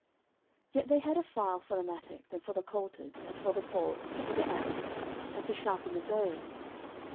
09:013:021 Yet they had a file for the mattocks, and for the coulters, and for the forks, and for the axes, and to sharpen the goads.